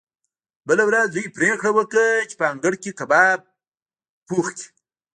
بله ورځ دوی پریکړه وکړه چې په انګړ کې کباب پخ کړي